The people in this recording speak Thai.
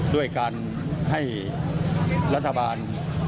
ด้วยการให้รัฐบาล